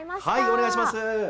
お願いします。